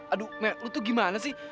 aduh lu tuh gimana sih